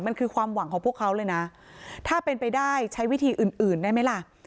มันคือความหวังของพวกเขาเลยนะถ้าเป็นไปได้ใช้วิธีอื่นได้ไหมล่ะ